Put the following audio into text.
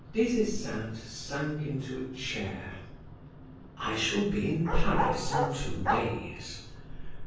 Des Esseintes sank into a chair. "I shall be in Paris in two days.